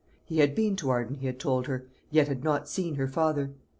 He had been to Arden, he had told her, yet had not seen her father.